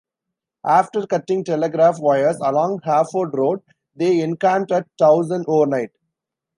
After cutting telegraph wires along Harford Road, they encamped at Towson overnight.